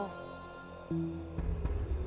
ketika saya menang aku akan menang